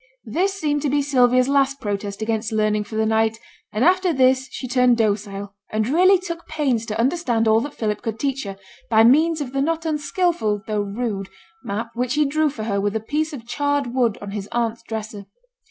This seemed to be Sylvia's last protest against learning for the night, for after this she turned docile, and really took pains to understand all that Philip could teach her, by means of the not unskilful, though rude, map which he drew for her with a piece of charred wood on his aunt's dresser.